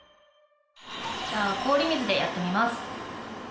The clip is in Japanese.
じゃあ氷水でやってみます。